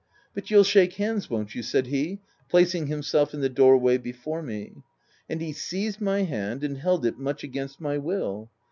"But you'll shake hands, won't you?" said he, placing himself in the door way before me. And he seized my hand, and held it much against my will.